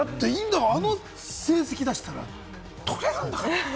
あの成績出したら取れるんだから。